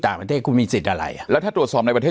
ต่างประเทศคุณมีสิทธิ์อะไรแล้วถ้าตรวจสอบในประเทศ